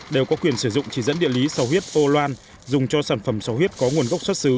đều có quyền sử dụng chỉ dẫn địa lý so huyết âu loan dùng cho sản phẩm so huyết có nguồn gốc xuất xứ